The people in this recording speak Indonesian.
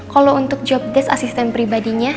kalau untuk jobdesk asisten pribadinya